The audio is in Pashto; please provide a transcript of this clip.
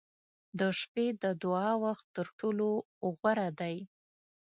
• د شپې د دعا وخت تر ټولو غوره دی.